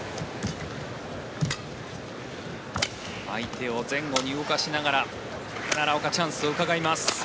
相手を前後に動かしながら奈良岡チャンスをうかがいます。